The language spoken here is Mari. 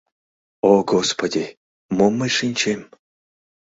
— О господи, мом мый шинчем.